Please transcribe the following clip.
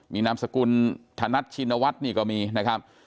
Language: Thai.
มีนามสกุลถนัดชินวัตรก็มีนะครับ